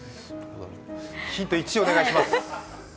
ヒント１、お願いします。